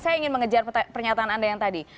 saya ingin mengejar pernyataan anda yang tadi